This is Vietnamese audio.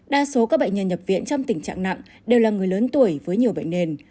đa số các bệnh nhân nhập viện trong tình trạng nặng đều là người lớn tuổi với nhiều bệnh nền